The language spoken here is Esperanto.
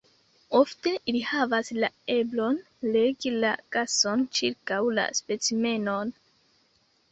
Ofte ili havas la eblon regi la gason ĉirkaŭ la specimenon.